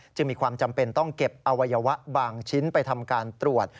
จึงมีความจำเป็นต้องเก็บอวัยวะบางชิ้นไปทำการตรวจ